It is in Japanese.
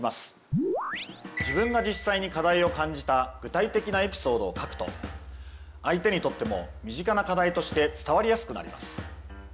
「自分が実際に課題を感じた具体的なエピソード」を書くと相手にとっても身近な課題として伝わりやすくなります。